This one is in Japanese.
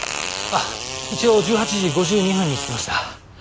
あっ一応１８時５２分に着きました。